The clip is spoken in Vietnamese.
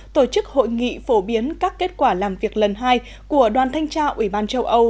tổ chức hội nghị phổ biến các kết quả làm việc lần hai của đoàn thanh tra ủy ban châu âu